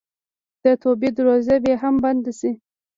د توبې دروازه به هم بنده شي.